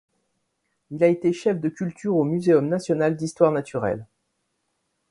Il a été chef de culture au muséum national d'histoire naturelle.